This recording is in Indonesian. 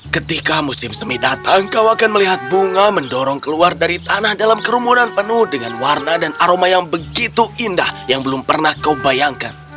ketika musim semi datang kau akan melihat bunga mendorong keluar dari tanah dalam kerumunan penuh dengan warna dan aroma yang begitu indah yang belum pernah kau bayangkan